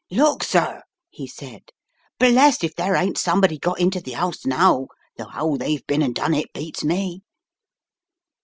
"Look, sir," he said, "blest if there ain't somebody got into the 'ouse now, though *ow they've bin and done it, beats me!